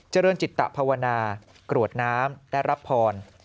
เจริญจิตภาวนากรวดน้ำและรับพร